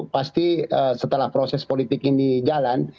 pasti setelah proses politik ini jalan